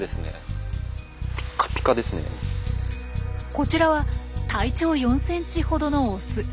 こちらは体長４センチほどのオス。